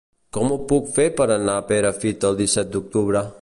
Com ho puc fer per anar a Perafita el disset d'octubre?